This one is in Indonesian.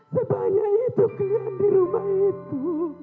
sebanyak itu kalian di rumah itu